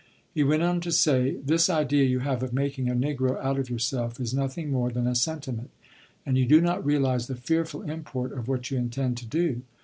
He went on to say: "This idea you have of making a Negro out of yourself is nothing more than a sentiment; and you do not realize the fearful import of what you intend to do.